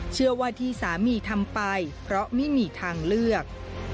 เชื่อว่าที่สามีทำไปเพราะไม่มีทางเลือก